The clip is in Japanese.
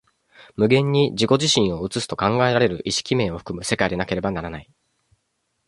無限に自己自身を映すと考えられる意識面を含む世界でなければならない。